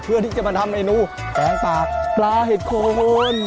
เพื่อที่จะมาทำเมนูแกงปากปลาเห็ดโคน